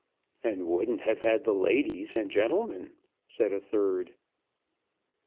"And wouldn't have had the ladies and gentlemen," said a third.